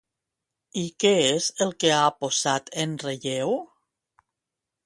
I què és el que ha posat en relleu?